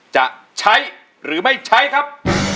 จะใช้หรือไม่ใช้ครับ